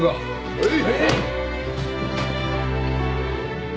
はい。